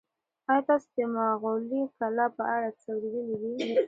ایا تاسي د مغولي کلا په اړه څه اورېدلي دي؟